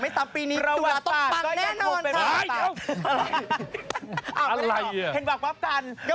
มันเป็นระยะว่ะ